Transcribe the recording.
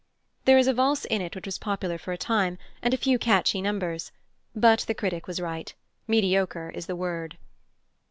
There is a valse in it which was popular for a time, and a few catchy numbers, but the critic was right mediocre is the word.